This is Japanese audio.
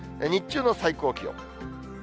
日中の最高気温。